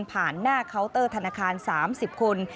หน้าเคาน์เตอร์ธนาคาร๓๐คน